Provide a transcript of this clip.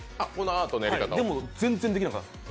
でも全然できなかったです